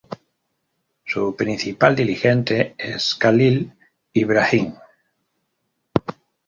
Su principal dirigente es Khalil Ibrahim.